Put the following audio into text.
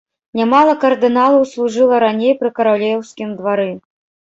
Нямала кардыналаў служыла раней пры каралеўскім двары.